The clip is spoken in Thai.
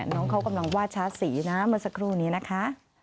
น้องเขากำลังวาดชาร์จสีนะเมื่อสักครู่นี้นะคะ